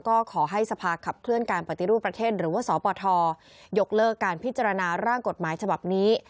ก็ขอให้สภาขับเคลื่อนการปฏิรูปประเทศหรือว่าสปทยกเลิกการพิจารณาร่างกฎหมายฉบับนี้